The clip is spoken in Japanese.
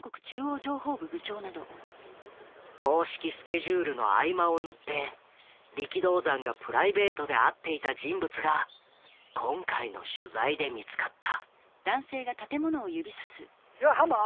公式スケジュールの合間を縫って力道山がプライベートで会っていた人物が今回の取材で見つかった。